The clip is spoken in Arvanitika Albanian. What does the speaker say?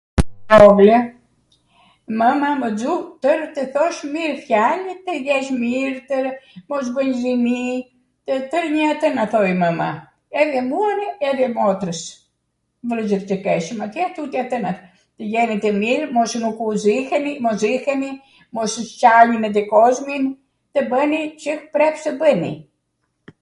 ...mwma mw xu twrw tw thosh mirw fjaljw, tw jesh mirw, mos bwj zimi, twrnjw ktw na thoj mwma, edhe muane edhe motrws, vwllezrwt i keshwm atje, tutje te... tw jeni tw mirw, mos, nuku ziheni, mos ziheni, mos shani me tw kozmin, tw bwni Cw preps tw bwni.